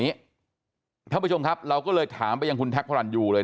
ท่านผู้ชมครับเราก็เลยถามไปยังคุณแท็กพระรันยูเลย